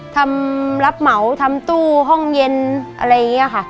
ทำรับเหมาทำตู้ห้องเย็นอะไรอย่างนี้ค่ะ